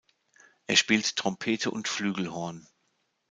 Er spielt Trompete und Flügelhorn.